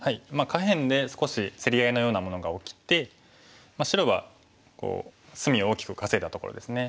下辺で少し競り合いのようなものが起きて白は隅を大きく稼いだところですね。